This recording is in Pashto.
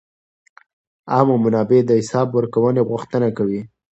عامه منابع د حساب ورکونې غوښتنه کوي.